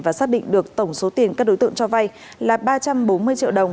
và xác định được tổng số tiền các đối tượng cho vay là ba trăm bốn mươi triệu đồng